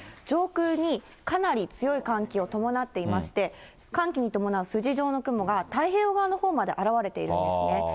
上空にかなり強い寒気を伴っていまして、寒気に伴う筋状の雲が、太平洋側のほうまで現れているんですね。